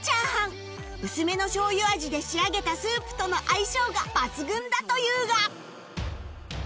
薄めの醤油味で仕上げたスープとの相性が抜群だというが